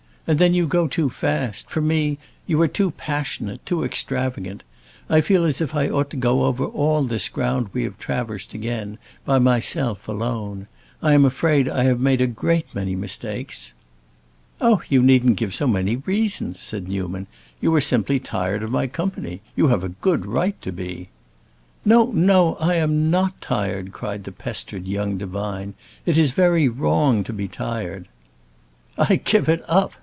And then you go too fast. For me, you are too passionate, too extravagant. I feel as if I ought to go over all this ground we have traversed again, by myself, alone. I am afraid I have made a great many mistakes." "Oh, you needn't give so many reasons," said Newman. "You are simply tired of my company. You have a good right to be." "No, no, I am not tired!" cried the pestered young divine. "It is very wrong to be tired." "I give it up!"